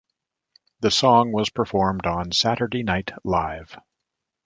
The song was performed on "Saturday Night Live".